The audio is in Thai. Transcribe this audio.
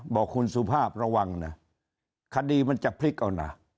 บอกคุณสุภาพระวังนะคดีมันจะพลิกเอานะ